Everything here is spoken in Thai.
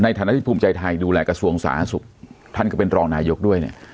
ในฐานะที่ภูมิไขไทยดูแลกระทรวงศาสุท่านก็เป็นรองนายยกด้วย